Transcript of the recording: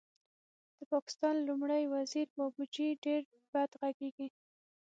د پاکستان لومړی وزیر بابوجي ډېر بد غږېږي